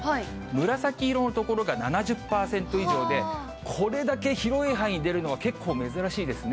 紫色の所が７０％以上で、これだけ広い範囲出るのは結構珍しいですね。